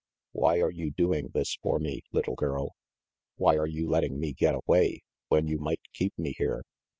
Why are you doing this for me, little girl?" "Why are you letting me get away, when you might keep me here?"